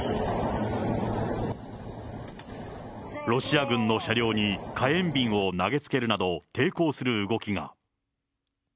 ロシア軍の車両に火炎瓶を投げつけるなど、抵抗する動きが。